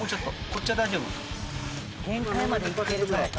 こっちは大丈夫。